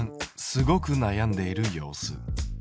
すごく悩んでいる様子。